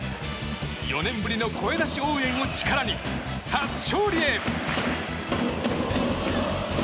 ４年ぶりの声出し応援を力に初勝利へ！